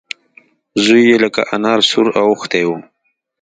زوی يې لکه انار سور واوښتی و.